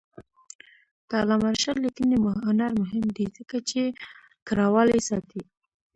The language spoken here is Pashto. د علامه رشاد لیکنی هنر مهم دی ځکه چې کرهوالي ساتي.